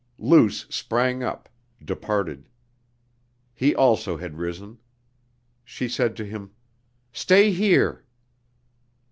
Luce sprang up, departed. He also had risen. She said to him: "Stay here."